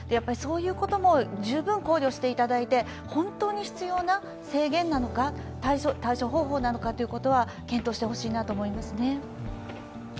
そういうことも十分考慮していただいて本当に必要な制限なのか、対処方法なのかは検討してほしいなと思いますね。